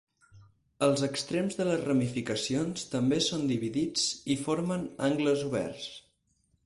Els extrems de les ramificacions també són dividits i formen angles oberts.